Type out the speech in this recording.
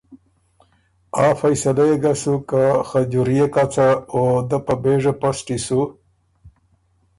آ فیصلۀ يې ګۀ سُک که خجورئے کڅه او دۀ په بېژه پسټی سُو